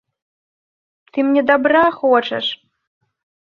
Ты мне дабра хочаш!